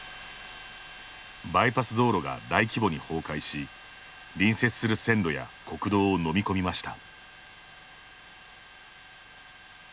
バイパス道路が大規模に崩壊し隣接する線路や国道を飲み込みました。